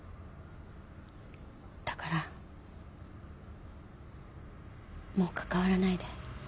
だからもうかかわらないで。